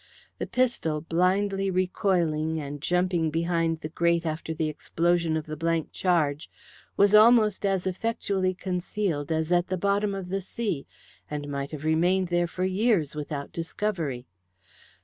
The pistol, blindly recoiling and jumping behind the grate after the explosion of the blank charge, was almost as effectually concealed as at the bottom of the sea, and might have remained there for years without discovery.